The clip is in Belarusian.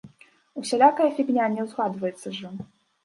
Усялякая фігня не ўзгадваецца ж!